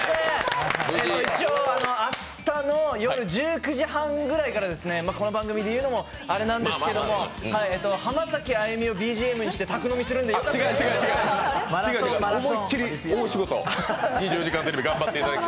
明日の夜１９時半くらいから、この番組で言うのもあれなんですけれども、浜崎あゆみをＢＧＭにして宅飲みするのでよろしく。